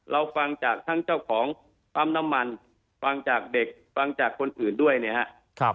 เราฟังจากทั้งเจ้าของปั๊มน้ำมันฟังจากเด็กฟังจากคนอื่นด้วยนะครับ